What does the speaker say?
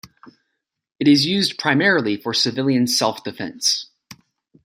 It is used primarily for civilian self-defense.